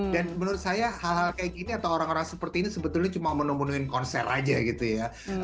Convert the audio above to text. dan menurut saya hal hal kayak gini atau orang orang seperti ini sebetulnya cuma menemunuhin konser aja gitu ya